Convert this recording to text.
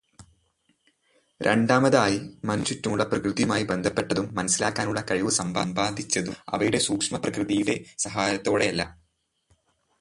രണ്ടാമതായി മനുഷ്യൻ ചുറ്റുമുള്ള പ്രകൃതിയുമായി ബന്ധപ്പെട്ടതും മനസിലാക്കാനുള്ള കഴിവ് സമ്പാദിച്ചതും അവയുടെ സൂക്ഷ്മപ്രകൃതിയുടെ സഹായത്തോടെയല്ല.